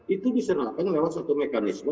itu bisa dapet lewat satu mekanisme